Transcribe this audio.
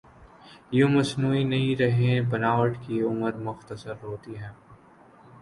یوں مصنوعی نہیں رہیں بناوٹ کی عمر مختصر ہوتی ہے۔